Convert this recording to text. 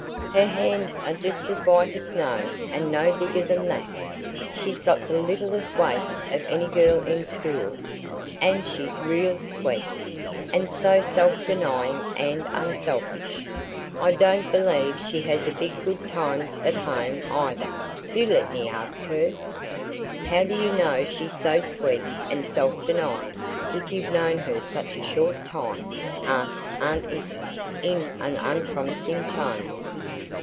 Her hands are just as white as snow, and no bigger than that. She's got the littlest waist of any girl in school, and she's real sweet, and so self denying and unselfish! I don't believe she has a bit good times at home, either. Do let me ask her!" "How do you know she's so sweet and self denying, if you've known her such a short time?" asked Aunt Izzie, in an unpromising tone.